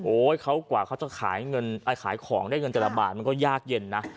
เขากว่าเขาจะขายของได้เงินแต่ละบาทมันก็ยากเย็นนะ